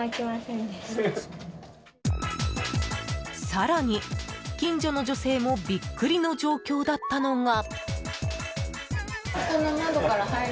更に、近所の女性もビックリの状況だったのが。